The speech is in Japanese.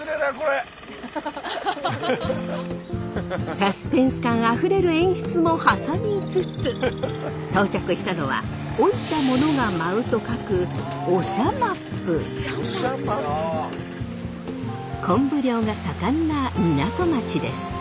サスペンス感あふれる演出も挟みつつ到着したのは老いた者が舞うと書くコンブ漁が盛んな港町です。